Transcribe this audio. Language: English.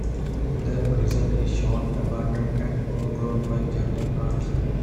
The prison is shown abandoned and overgrown by jungle plants.